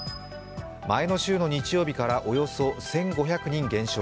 前の週の日曜日からおよそ１５００人減少。